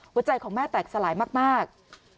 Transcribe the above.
หัวใจของแม่แตกสลายมาก